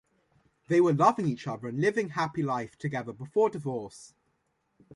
They were loving each other and living happy life together before divorce.